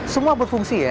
semua berfungsi ya